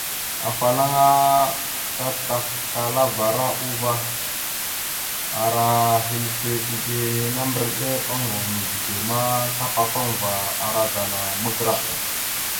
Afalaŋana tatakalavara uvah a ara hœləfe iɗena mbəriɗe ongov mizləge ma tapafaŋva ara daga magəra.